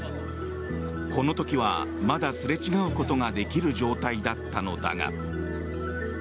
この時はまだすれ違うことができる状態だったのだが。